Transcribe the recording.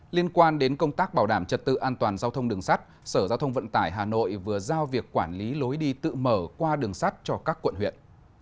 liên quan đến công tác bảo đảm trật tự an toàn giao thông đường sắt sở giao thông vận tải hà nội vừa giao việc quản lý lối đi tự mở qua đường sắt cho các quận huyện